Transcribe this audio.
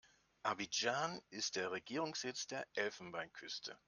Abidjan ist der Regierungssitz der Elfenbeinküste.